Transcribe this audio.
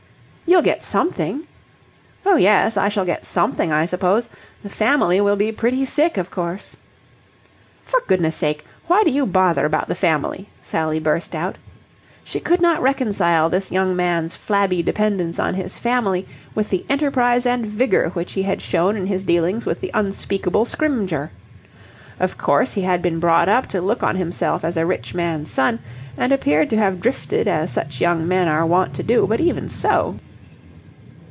"You'll get something?" "Oh, yes, I shall get something, I suppose. The family will be pretty sick, of course." "For goodness' sake! Why do you bother about the family?" Sally burst out. She could not reconcile this young man's flabby dependence on his family with the enterprise and vigour which he had shown in his dealings with the unspeakable Scrymgeour. Of course, he had been brought up to look on himself as a rich man's son and appeared to have drifted as such young men are wont to do; but even so...